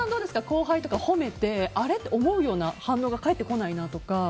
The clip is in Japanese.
後輩とか褒めて思うような反応が返ってこないなとか。